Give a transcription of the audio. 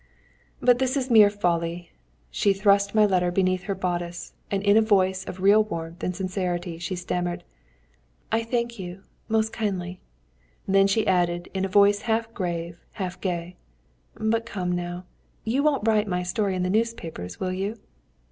"But this is mere folly!" She thrust my letter beneath her bodice, and in a voice of real warmth and sincerity, she stammered: "I thank you most kindly." Then she added, in a voice half grave, half gay: "But come now! You won't write my story in the newspapers, will you?"